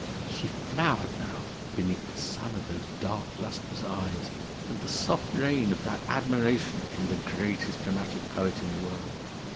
She flowered now beneath the sun of those dark lustrous eyes and the soft rain of that admiration from the greatest dramatic poet in the world.